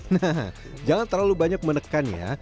nah jangan terlalu banyak menekan ya